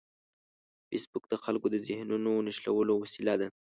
فېسبوک د خلکو د ذهنونو نښلولو وسیله ده